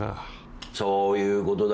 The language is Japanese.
そういうことだ。